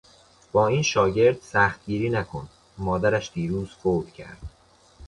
با این شاگرد سخت گیری نکن، مادرش دیروز فوت کرد.